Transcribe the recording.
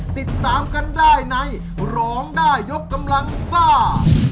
ติดตามกันได้ในร้องได้ยกกำลังซ่า